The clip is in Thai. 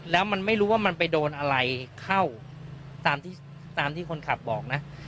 แล้วมันไม่รู้ว่ามันไปโดนอะไรเข้าตามที่คนขับบอกนะ